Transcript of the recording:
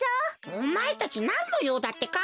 おまえたちなんのようだってか？